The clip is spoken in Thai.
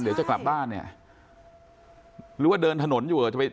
เดี๋ยวจะกลับบ้านเนี่ยหรือว่าเดินถนนอยู่จะไป